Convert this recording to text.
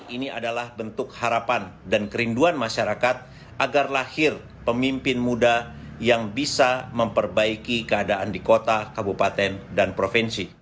ini adalah bentuk harapan dan kerinduan masyarakat agar lahir pemimpin muda yang bisa memperbaiki keadaan di kota kabupaten dan provinsi